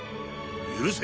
許せ！